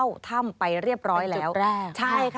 สวัสดีค่ะสวัสดีค่ะ